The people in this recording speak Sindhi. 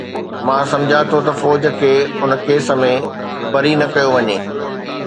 مان سمجهان ٿو ته فوج کي ان ڪيس ۾ بري نه ڪيو وڃي.